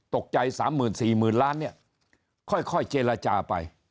บอกใจ๓หมื่น๔หมื่นล้านเนี่ยค่อยเจรจาไป